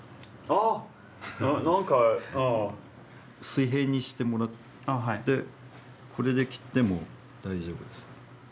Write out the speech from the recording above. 水平にしてもらってこれで切っても大丈夫です。